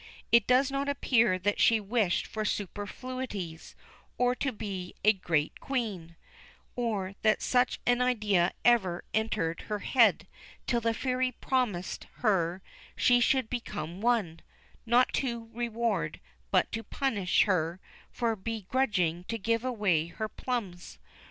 It does not appear that she wished for superfluities, or to be a "great Queen," or that such an idea ever entered her head till the Fairy promised her she should become one, "not to reward," but "to punish," her for begrudging to give away her plums.